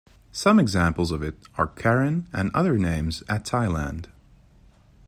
Some examples of it are Karen and another names at Thailand.